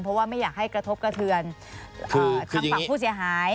เพราะว่าไม่อยากให้กระทบกระเทือนทางฝั่งผู้เสียหาย